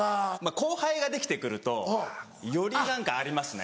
後輩ができて来るとより何かありますね。